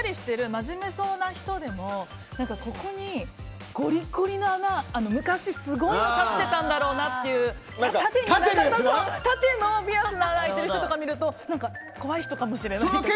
真面目そうな人でもここにゴリゴリの穴昔すごいのさしてたんだろうなっていう縦のピアスの穴が開いてる人を見ると何か怖い人かもしれないって。